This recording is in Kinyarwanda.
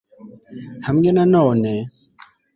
hamwe na none